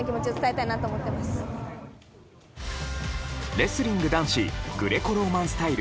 レスリング男子グレコローマンスタイル